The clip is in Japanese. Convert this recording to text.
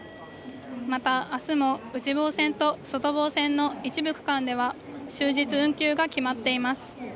また、明日も内房線と外房線の一部区間では終日運休が決まっています。